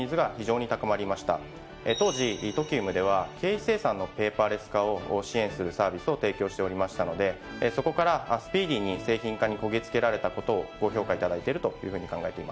当時ＴＯＫＩＵＭでは経費精算のペーパーレス化を支援するサービスを提供しておりましたのでそこからスピーディーに製品化にこぎ着けられたことをご評価いただいてるというふうに考えています。